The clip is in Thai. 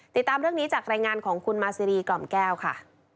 ติดตามเรื่องนี้จากรายงานของคุณมาซีรีกล่อมแก้วค่ะ